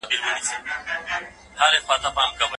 زه به تر هغو هڅه کوم چې خپله دنده په سمه توګه ترسره کړم.